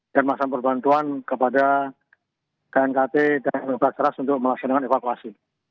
dan melaksanakan perbantuan kepada knkt dan bkk untuk melaksanakan evakuasi